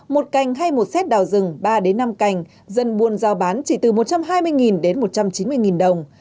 một cành hay một xét đào rừng ba năm cành dần buôn giao bán chỉ từ một trăm hai mươi một trăm chín mươi đồng